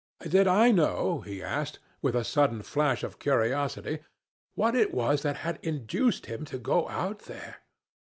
Did I know, he asked, with a sudden flash of curiosity, 'what it was that had induced him to go out there?'